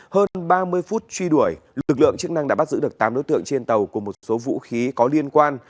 hơn ba mươi phút truy đuổi lực lượng chức năng đã bắt giữ được tám đối tượng trên tàu cùng một số vũ khí có liên quan